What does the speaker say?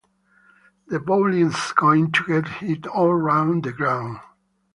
The bowling's going to get hit all round the ground.